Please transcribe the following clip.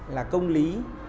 là công lý